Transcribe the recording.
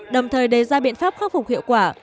đồng thời đề ra biện pháp khắc phục hiệu quả